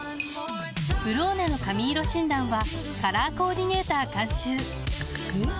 「ブローネ」の髪色診断はカラーコーディネーター監修おっ！